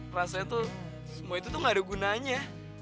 rasanya tuh semua itu tuh gak ada gunanya